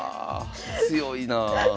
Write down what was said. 強いな。